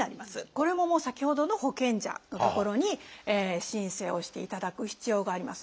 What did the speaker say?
これももう先ほどの保険者の所に申請をしていただく必要があります。